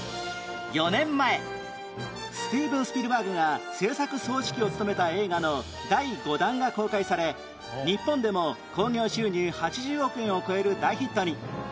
４年前スティーブン・スピルバーグが製作総指揮を務めた映画の第５弾が公開され日本でも興行収入８０億円を超える大ヒットに